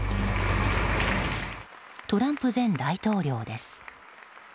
トランプ前大統領です。